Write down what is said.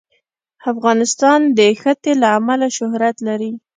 افغانستان د ښتې له امله شهرت لري.